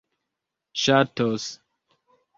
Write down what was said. ŝatos